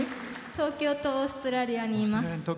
東京とオーストラリアにいます。